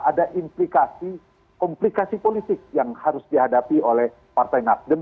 ada komplikasi politik yang harus dihadapi oleh partai nabdem